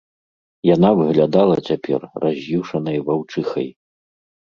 Яна выглядала цяпер раз'юшанай ваўчыхай.